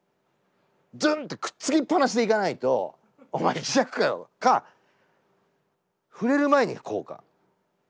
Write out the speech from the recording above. ズンッてくっつきっ放しでいかないと「お前磁石かよ」か触れる前にこうか。